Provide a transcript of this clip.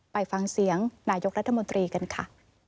ไปฟังเสียงนายกรัฐมนตรีกันค่ะ